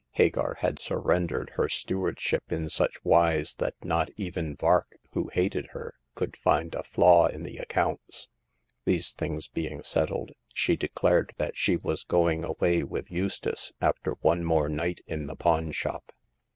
Hagar had surrendered her stewardship in such wise that not even Vark, who hated her, could find a flaw in the accounts. These things being settled, she declared that she was going away with Eustace, after one more night in the pawn shop.